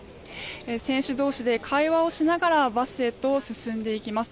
選手同士で会話をしながらバスへと進んでいきます。